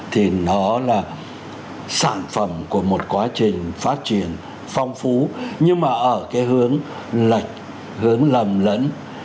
thì nó là sản phẩm của một quá trình phát triển phong phú nhưng mà ở cái hướng lệch hướng lầm lẫn